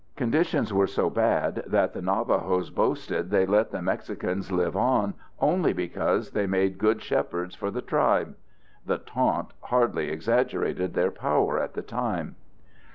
Conditions were so bad that the Navajos boasted they let the Mexicans live on only because they made good shepherds for the tribe. The taunt hardly exaggerated their power at the time.